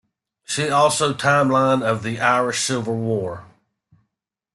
"See also Timeline of the Irish Civil War"